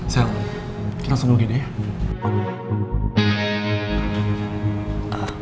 sel kita langsung begini ya